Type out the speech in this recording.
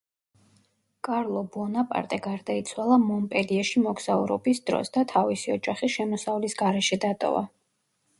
კარლო ბუონაპარტე გარდაიცვალა მონპელიეში მოგზაურობის დროს და თავისი ოჯახი შემოსავლის გარეშე დატოვა.